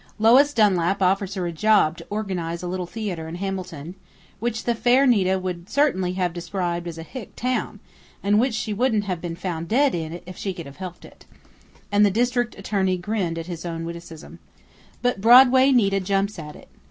Lois Dunlap offers her a job to organize a Little Theater in Hamilton which the fair Nita would certainly have described as a hick town and which she wouldn't have been found dead in if she could have helped it " and the district attorney grinned at his own witticism, " but Broadway Nita jumps at it.